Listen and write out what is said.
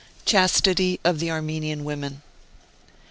CHASTITY OF THE ARMENIAN WOMEN.